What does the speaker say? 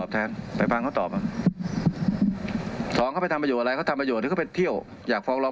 แต่จะเอาปัญหาเหล่านี้มาถามเรา